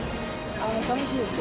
楽しいですよ。